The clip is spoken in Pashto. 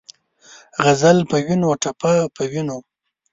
غزل پۀ وینو ، ټپه پۀ وینو